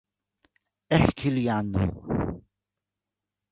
احكِ لي عنه.